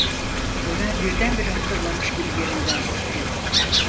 Ömer birdenbire hatırlamış gibi yerinden sıçradı: